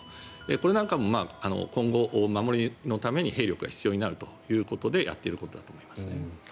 これなんかも今後、守りのために兵力が必要になるということでやっていることだと思います。